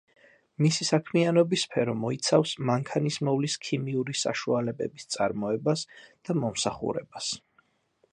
მისი საქმიანობის სფერო მოიცავს მანქანის მოვლის ქიმიური საშუალებების წარმოებას და მომსახურებას.